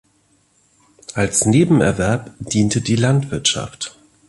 Als Nebenerwerb diente die Landwirtschaft.